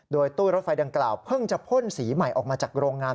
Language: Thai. โดยตู้รถไฟดังกล่าวเพิ่งจะพ่นสีใหม่ออกมาจากโรงงาน